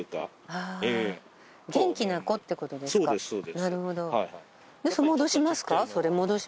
なるほど。